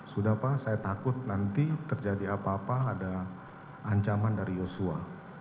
sudah pak saya takut nanti terjadi apa apa ada ancaman dari yosua